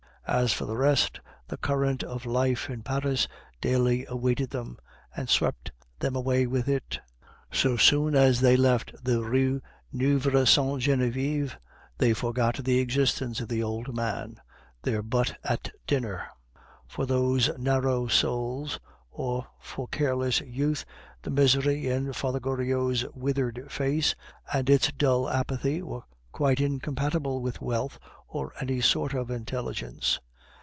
As for the rest, the current of life in Paris daily awaited them, and swept them away with it; so soon as they left the Rue Neuve Sainte Genevieve, they forgot the existence of the old man, their butt at dinner. For those narrow souls, or for careless youth, the misery in Father Goriot's withered face and its dull apathy were quite incompatible with wealth or any sort of intelligence.